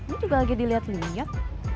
ini juga lagi diliat liat